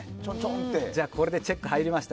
これでチェック入りました。